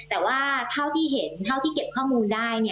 แต่ว่าเท่าที่เห็นเท่าที่เก็บข้อมูลได้